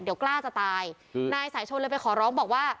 เดี๋ยวกล้าจะตายนายสายชนเลยไปขอร้องบอกว่า